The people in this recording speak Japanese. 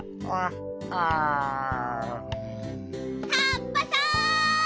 カッパさん！